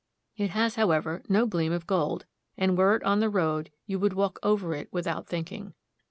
It has, however, no gleam of gold, and were it on the road you would walk over it without thinking.